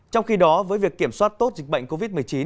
trong khi đó với việc kiểm soát tốt dịch bệnh covid một mươi chín